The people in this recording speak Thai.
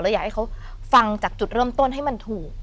อยากให้เขาฟังจากจุดเริ่มต้นให้มันถูก